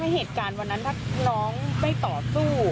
เห็นมีรายงานว่าพอน้องออกได้ประกันตัว